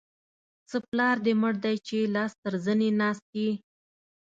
څه پلار دې مړ دی؛ چې لاس تر زنې ناست يې.